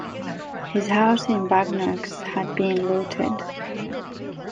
His house in Bagneux had been looted.